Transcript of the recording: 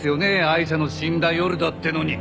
アイシャの死んだ夜だってのに。